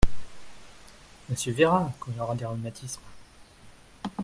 Monsieur verra, quand il aura des rhumatismes.